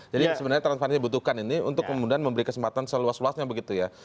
jadi sebenarnya transparansi dibutuhkan ini untuk kemudian memberi kesempatan seluas luasnya begitu ya